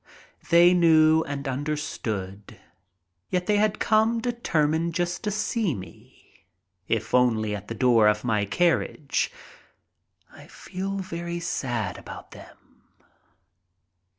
They knew and understood, yet they had come determined just to see me, if only at the door of my carriage. I feel very sad about them.